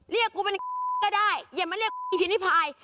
เรียกกูเป็นก็ได้อย่ามาเรียกอิทินิพาย